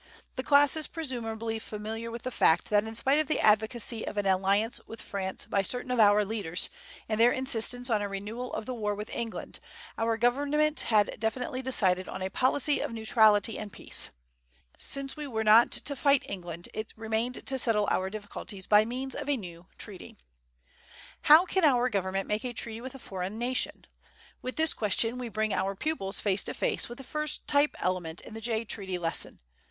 The class is presumably familiar with the fact that in spite of the advocacy of an alliance with France by certain of our leaders and their insistence on a renewal of the war with England, our government had definitely decided on a policy of neutrality and peace. Since we were not to fight England, it remained to settle our difficulties by means of a new treaty. How can our government make a treaty with a foreign nation? With this question we bring our pupils face to face with the first type element in the Jay Treaty lesson.